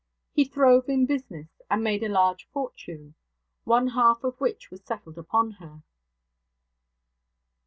He throve in business, and made a large fortune, one half of which was settled upon her.